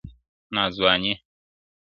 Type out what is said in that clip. ناځواني~